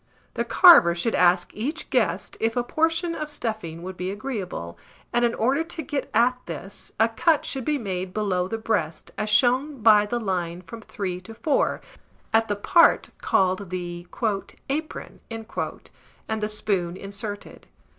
The carver should ask each guest if a portion of stuffing would be agreeable; and in order to get at this, a cut should be made below the breast, as shown by the line from 3 to 4, at the part called the "apron," and the spoon inserted.